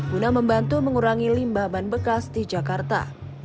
guna membantu mengurangi limbah ban bekas di jakarta